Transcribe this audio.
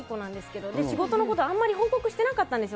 仕事のことあんまり報告してなかったんですよ。